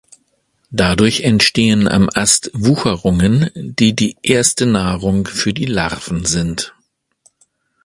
Dadurch entstehen am Ast Wucherungen, die die Erste Nahrung für die Larven sind.